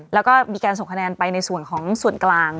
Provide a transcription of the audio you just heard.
แล้วก็มีการส่งคะแนนไปในส่วนของส่วนกลาง